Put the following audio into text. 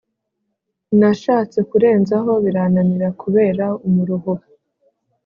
Nashatse kurenzaho birananira kubera umuruho